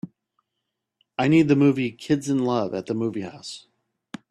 I need the movie Kids in Love at the movie house